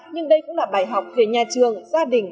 nhưng đây cũng là bài học về nhà trường gia đình